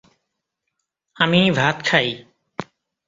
আমি ভাত খাই